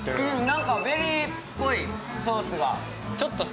なんかベリーっぽいソースが。